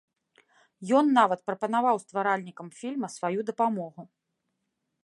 Ён нават прапанаваў стваральнікам фільма сваю дапамогу.